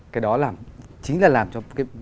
cái đó chính là làm cho